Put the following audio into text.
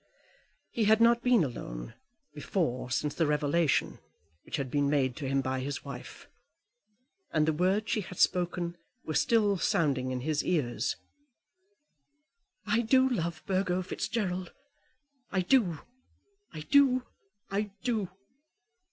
He had not been alone before since the revelation which had been made to him by his wife, and the words she had spoken were still sounding in his ears. "I do love Burgo Fitzgerald; I do! I do! I do!"